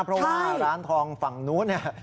เพราะว่าร้านทองฝั่งนู้นเนี่ย